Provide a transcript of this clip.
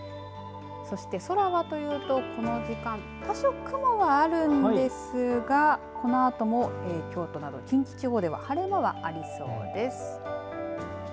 そして、空はというと、この時間多少、雲はあるんですがこのあとも京都など近畿地方では晴れ間はありそうです。